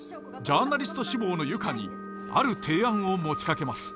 ジャーナリスト志望の由歌にある提案を持ちかけます。